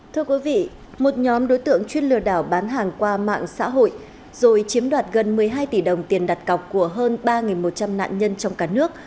thưa quý vị một nhóm đối tượng chuyên lừa đảo bán hàng qua mạng xã hội rồi chiếm đoạt gần một mươi hai tỷ đồng tiền đặt cọc của hơn ba một trăm linh nạn nhân trong cả nước